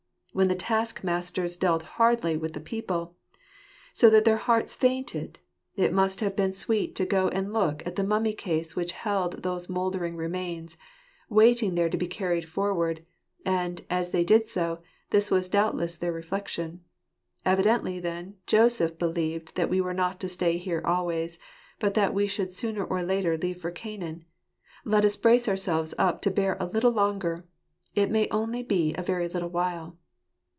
When the taskmasters dealt hardly with the people, so that their hearts fainted, it must have been sweet Irts CCrmfiirent 187 to go and look at the mummy case which held those mouldering remains, waiting there to be carried forward j and, as they did so, this was doubtless their reflection, "Evidently then, Joseph believed that we were not to stay here always, but that we should sooner or later leave for Canaan : let us brace ourselves up to bear a little longer, it may only be a very little while